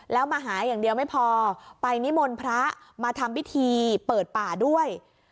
แล้วมาหาอย่างเดียวไม่พอไปนิมนต์พระมาทำพิธีเปิดป่าด้วย